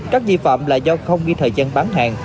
các di phạm là do không ghi thời gian bán hàng